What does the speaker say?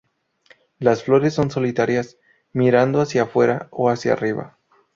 Las flores son solitarias, mirando hacia fuera o hacia arriba.